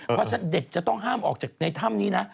เพราะฉะนั้นเด็กจะต้องห้ามออกจากในถ้ำนี้นะ